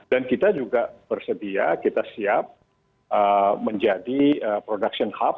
dan kita juga bersedia kita siap menjadi hub produksi